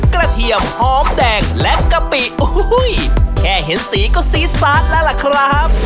เทียมหอมแดงและกะปิโอ้โหแค่เห็นสีก็สีซาสแล้วล่ะครับ